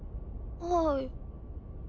はい。